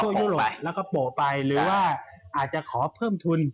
ยุโรปแล้วก็โปะไปหรือว่าอาจจะขอเพิ่มทุน